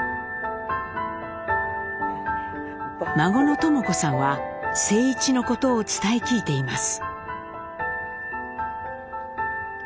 孫の知子さんは静一のことを伝え聞いています。